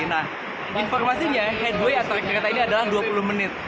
nah informasinya headway atau kereta ini adalah dua puluh menit